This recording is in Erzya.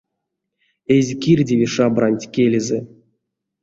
Эзь кирдеве шабранть келезэ.